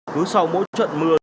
cứ sau mỗi trận mưa